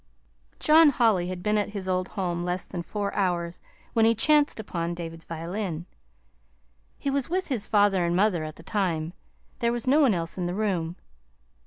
John Holly had been at his old home less than four hours when he chanced upon David's violin. He was with his father and mother at the time. There was no one else in the room.